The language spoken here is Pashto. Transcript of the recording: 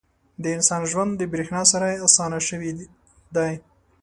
• د انسان ژوند د برېښنا سره اسانه شوی دی.